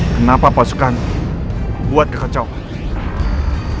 kenapa pasukanmu membuat kekacauan